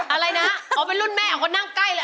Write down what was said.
อะไรนะอ๋อเป็นรุ่นแม่ของคนนั่งใกล้เลย